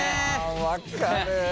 分かる。